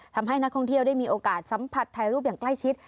ทำให้นักท่องเที่ยวได้มีโอกาสสัมผัสถ่ายรูปอย่างใกล้ชิด